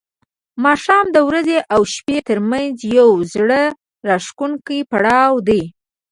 ماښام د ورځې او شپې ترمنځ یو زړه راښکونکی پړاو دی.